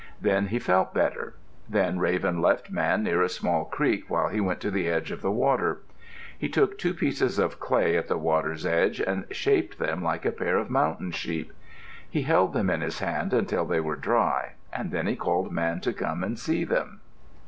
Then he felt better. Then Raven left Man near a small creek while he went to the edge of the water. He took two pieces of clay at the water's edge, and shaped them like a pair of mountain sheep. He held them in his hand until they were dry, and then he called Man to come and see them.